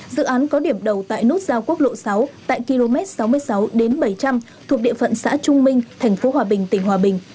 dự án có điểm đầu tại nút giao quốc lộ sáu tại km sáu mươi sáu bảy trăm linh thuộc địa phận xã trung minh thành phố hòa bình tỉnh hòa bình